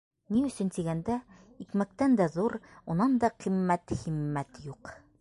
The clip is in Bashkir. Ни өсөн тигәндә, икмәктән дә ҙур, унан да ҡиммәт һиммәт юҡ.